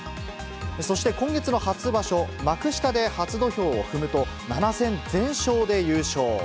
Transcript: そして今月の初場所、幕下で初土俵を踏むと、７戦全勝で優勝。